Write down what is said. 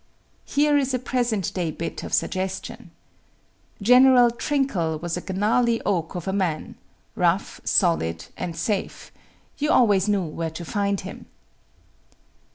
Here is a present day bit of suggestion: "General Trinkle was a gnarly oak of a man rough, solid, and safe; you always knew where to find him."